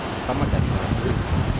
terutama dari dalam negeri